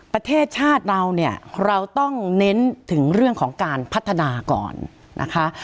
ประเทศชาติเราเนี่ยเราต้องเน้นถึงเรื่องของการพัฒนาก่อนนะคะ